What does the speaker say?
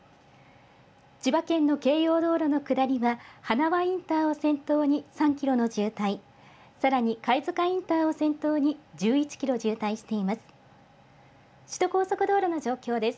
千葉県の京葉道路の下りは、はなわインターを先頭に３キロの渋滞、さらにかいづかインターを先頭に１１キロ渋滞しています。